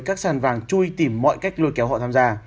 các sàn vàng chui tìm mọi cách lôi kéo họ tham gia